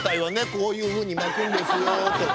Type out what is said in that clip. こういうふうに巻くんですよとか。